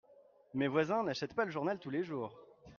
Mes voisins n'achètent pas le journal tous les jours.